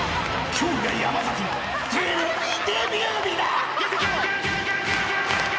［今日が山崎のテレビデビュー日だ］